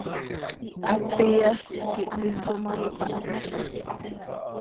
Hap iyas quih tis oo ma x, yopahit.